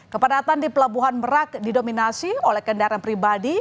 kepadatan di pelabuhan merak didominasi oleh kendaraan pribadi